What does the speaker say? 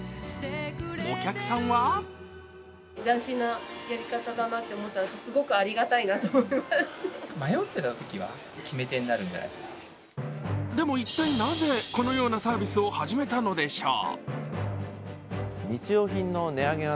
お客さんはでも一体なぜ、このようなサービスを始めたのでしょう。